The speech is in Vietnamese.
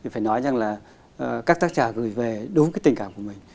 phải nói rằng là các tác giả gửi về đúng cái tình cảm của mình